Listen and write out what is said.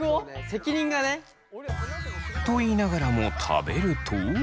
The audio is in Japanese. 責任がね。と言いながらも食べると。